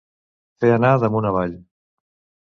Fer anar d'amunt avall.